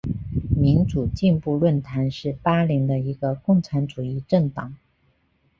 民主进步论坛是巴林的一个共产主义政党。